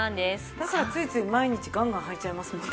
だからついつい毎日ガンガンはいちゃいますもんね。